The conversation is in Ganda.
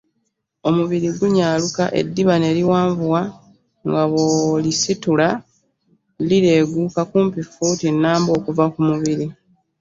Omubiri gunyaaluka, eddiba ne liwanvuwa nga bw’olisitula lireeguuka kumpi fuuti nnamba okuva ku mubiri.